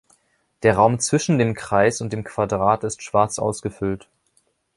Der Raum zwischen dem Kreis und dem Quadrat ist schwarz ausgefüllt.